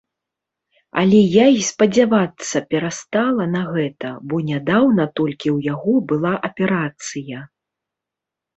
Але я і спадзявацца перастала на гэта, бо нядаўна толькі ў яго была аперацыя.